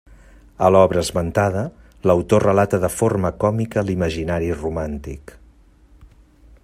A l'obra esmentada, l'autor relata de forma còmica l'imaginari romàntic.